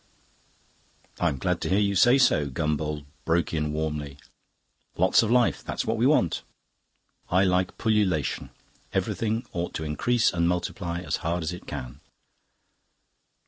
"I'm glad to hear you say so," Gombauld broke in warmly. "Lots of life: that's what we want. I like pullulation; everything ought to increase and multiply as hard as it can."